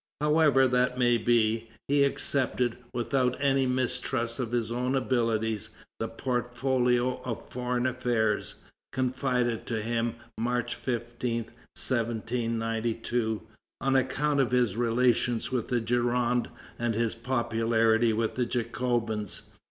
However that may be, he accepted, without any mistrust of his own abilities, the portfolio of Foreign Affairs, confided to him March 15, 1792, on account of his relations with the Gironde and his popularity with the Jacobins.